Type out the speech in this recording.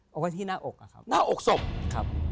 เอาไว้ที่หน้าอกอะครับหน้าอกศพครับ